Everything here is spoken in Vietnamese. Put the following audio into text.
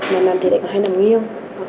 mà nằm thì lại còn hay nằm nghiêng